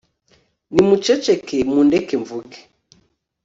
nimuceceke, mundeke mvuge